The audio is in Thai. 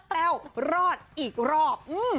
แต้วรอดอีกรอบ